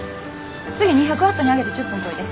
次２００ワットに上げて１０分こいで。